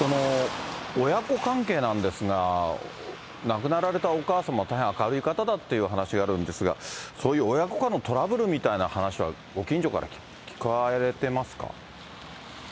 親子関係なんですが、亡くなられたお母様、大変明るい方だっていう話があるんですが、そういう親子間のトラブルみたいな話は、ご近所から聞かれていますか？